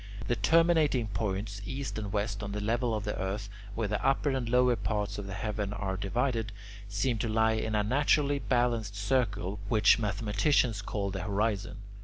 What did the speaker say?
The terminating points east and west on the level of the earth, where the upper and lower parts of the heaven are divided, seem to lie in a naturally balanced circle which mathematicians call the Horizon.